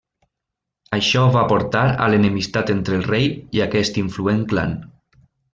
Això va portar a l'enemistat entre el rei i aquest influent clan.